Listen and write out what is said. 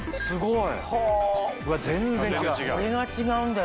すごい全然違う。